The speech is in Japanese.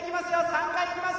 ３回いきます。